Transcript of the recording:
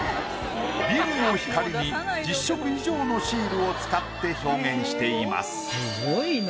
ビルの光に１０色以上のシールを使って表現しています。